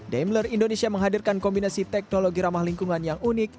daimler indonesia menghadirkan kombinasi teknologi ramah lingkungan yang unik